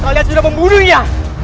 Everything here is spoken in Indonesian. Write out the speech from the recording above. kalian sudah membunuhnya